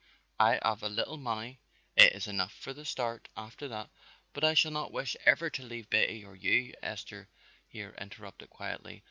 I haf a little money, it is enough for the start, after that " "But I shall not wish ever to leave Betty or you," Esther here interrupted quietly.